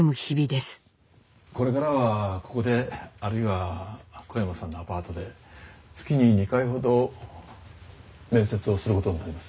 これからはここであるいは小山さんのアパートで月に２回ほど面接をすることになります。